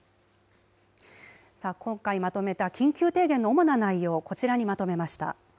今回まとめた緊急提言の主な内容、こちらにまとめました。